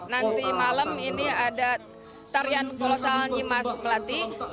nanti malam ini ada tarian kolosal nyimas melati